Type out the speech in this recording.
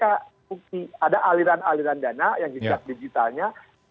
ada aliran aliran dana yang digitalnya